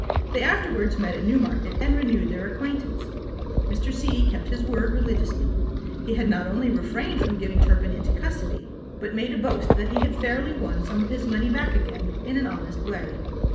They afterwards met at Newmarket, and renewed their acquaintance. Mr. C. kept his word religiously; he not only refrained from giving Turpin into custody, but made a boast that he had fairly won some of his money back again in an honest way.